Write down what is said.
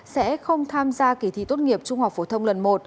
sẽ không tham gia kỳ thi tốt nghiệp trung học phổ thông lần một